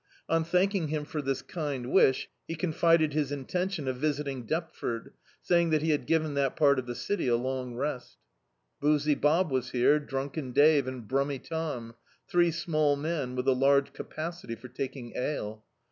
On thanking him for this kind wish, he confided his intention of visit ing Deptford, saying that he had given that part of the city a long rest "Boozy" Bob was here, "Drunken Dave" and "Brummy Tom"; three small men with a large ca pacity for taking ale.